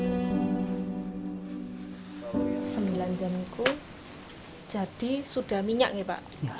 sembilan jam itu jadi sudah minyak nih pak